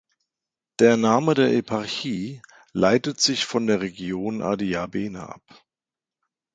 Der Name der Eparchie leitet sich von der Region Adiabene ab.